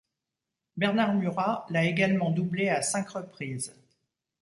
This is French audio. Bernard Murat l'a également doublé à cinq reprises.